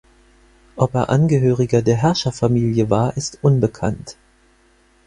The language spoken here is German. Ob er Angehöriger der Herrscherfamilie war, ist unbekannt.